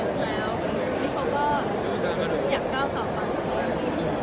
ให้เขาว่าอยากเปลี่ยนแมนของฉัน